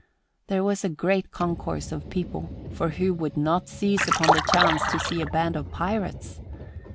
There was a great concourse of people, for who would not seize upon the chance to see a band of pirates?